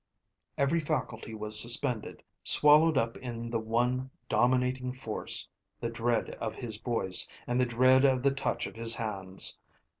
Every faculty was suspended, swallowed up in the one dominating force, the dread of his voice and the dread of the touch of his hands.